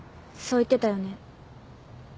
そう言ってたよね？